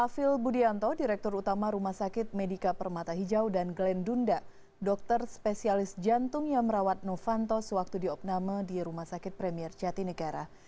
afil budianto direktur utama rumah sakit medika permata hijau dan glenn dunda dokter spesialis jantung yang merawat novanto sewaktu di okname di rumah sakit premier jatinegara